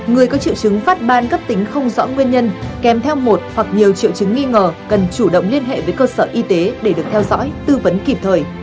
người có triệu chứng phát ban cấp tính không rõ nguyên nhân kèm theo một hoặc nhiều triệu chứng nghi ngờ cần chủ động liên hệ với cơ sở y tế để được theo dõi tư vấn kịp thời